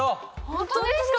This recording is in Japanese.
本当ですか！？